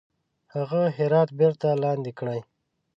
هغه هرات بیرته لاندي کړي.